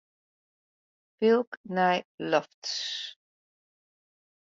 Pylk nei lofts.